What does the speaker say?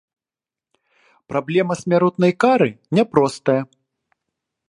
Праблема смяротнай кары няпростая.